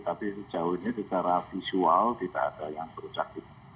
tapi sejauh ini secara visual tidak ada yang berujak